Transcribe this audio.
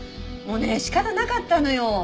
もうね仕方なかったのよ。